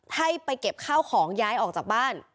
ให้ไปเก็บข้าวของย้ายออกจากบ้าน